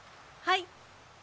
はい。